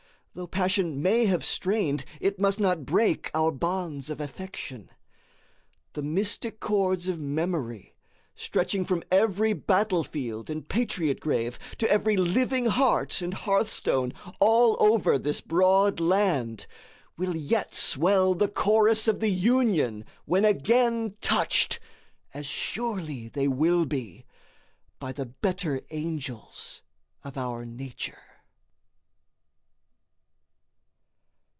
Though passion may have strained, it must not break our bonds of affection. The mystic chords of memory, stretching from every battlefield and patriot grave to every living heart and hearthstone all over this broad land, will yet swell the chorus of the Union when again touched, as surely they will be, by the better angels of our nature.